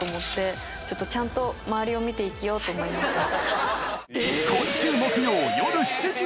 ちゃんと周りを見て生きようと思いました。